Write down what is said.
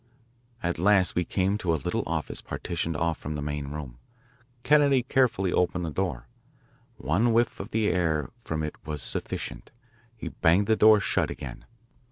At last we came to a little office partitioned off from the main room. Kennedy carefully opened the door. One whiff of the air from it was sufficient. He banged the door shut again.